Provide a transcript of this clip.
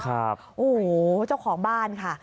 โอ้โหเจ้าของบ้านค่ะ